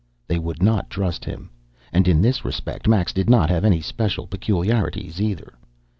They would not trust him. And in this respect Max did not have any special peculiarities, either.